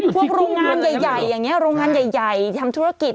โรงงานใหญ่อย่างนี้โรงงานใหญ่ทำธุรกิจ